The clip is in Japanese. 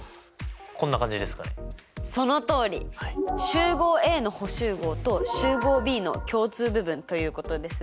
集合Ａの補集合と集合Ｂの共通部分ということですね。